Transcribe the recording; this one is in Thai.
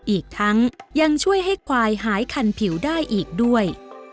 อีกทั้งยังช่วยให้ควายหายคันผิวได้อีกด้วย